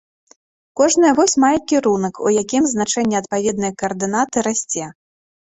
Кожная вось мае кірунак, у якім значэнне адпаведнай каардынаты расце.